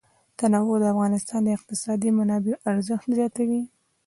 تنوع د افغانستان د اقتصادي منابعو ارزښت زیاتوي.